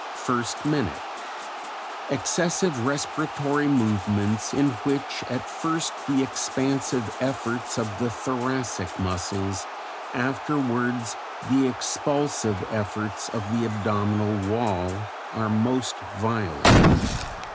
... First minute. Excessive respiratory movements in which at first the expansive efforts of the thoracic muscles, afterwards the expulsive efforts of the abdominal wall, are most violent.